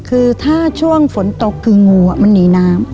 คือถ้าช่วงฝนตกคืองูมันหนีน้ำ